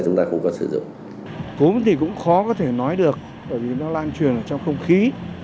chúng ta cũng có sử dụng cúm thì cũng khó có thể nói được bởi vì nó lan truyền trong không khí